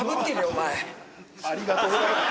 お前ありがとうございます